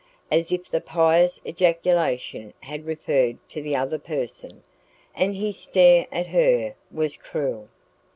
as if the pious ejaculation had referred to the Other Person, and his stare at her was cruel.